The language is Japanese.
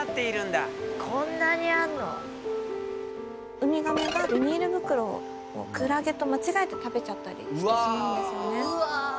うみがめがビニール袋をクラゲと間違えて食べちゃったりしてしまうんですよね。